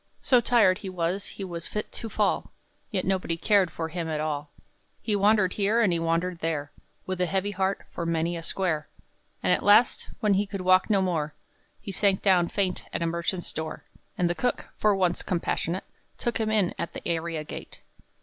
So tired he was he was fit to fall, Yet nobody cared for him at all; He wandered here, and he wandered there, With a heavy heart, for many a square. And at last, when he could walk no more, He sank down faint at a merchant's door. And the cook for once compassionate Took him in at the area gate.